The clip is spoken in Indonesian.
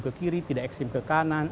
ke kiri tidak ekstrim ke kanan